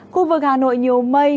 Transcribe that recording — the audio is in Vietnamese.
khu vực hà nội nhiều mây